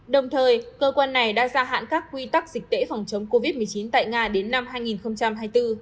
đồng thời cơ quan này đã gia hạn các quy tắc dịch tễ phòng chống covid một mươi chín tại nga đến năm hai nghìn hai mươi bốn